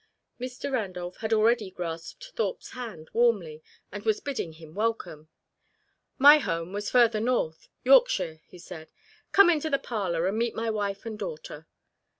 Mr. Randolph had already grasped Thorpe's hand warmly and was bidding him welcome. "My home was further north Yorkshire," he said. "Come into the parlour and meet my wife and daughter."